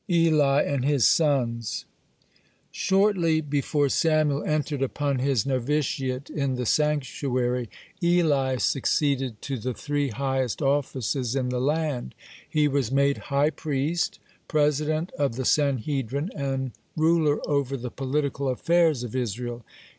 (22) ELI AND HIS SONS Shortly (23) before Samuel entered upon his novitiate in the sanctuary, Eli succeeded to the three highest offices in the land: he was made high priest, president of the Sanhedrin, and ruler over the political affairs of Israel.